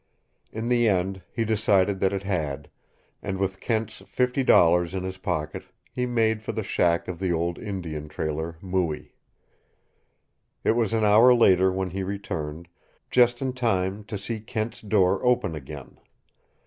In the end he decided that it had, and with Kent's fifty dollars in his pocket he made for the shack of the old Indian trailer, Mooie. It was an hour later when he returned, just in time to see Kent's door open again.